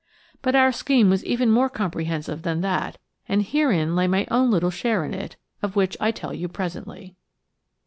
But our scheme was even more comprehensive than that and herein lay my own little share in it, of which I tell you presently.